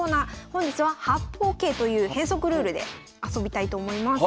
本日は「八方桂」という変則ルールで遊びたいと思います。